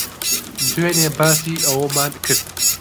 دوێنێ باسی ئەوەمان کرد.